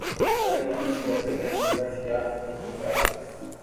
بھلے مانس تو ایسی مطلوبہ اشیاء خود ہی پہنچا دیتے ہیں۔